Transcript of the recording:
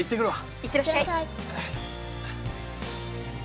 行ってらっしゃい。